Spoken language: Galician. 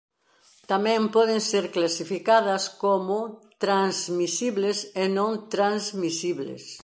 Tamén poden ser clasificadas como transmisibles e non transmisibles.